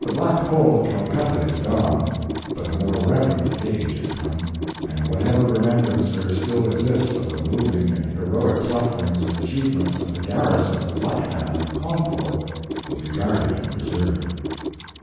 The Black Hole of Calcutta is gone, but a more reverent age is come, and whatever remembrancer still exists of the moving and heroic sufferings and achievements of the garrisons of Lucknow and Cawnpore will be guarded and preserved.